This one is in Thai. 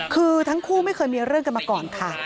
คือทั้งคู่ไม่เคยมีเรื่องกันมาก่อนค่ะ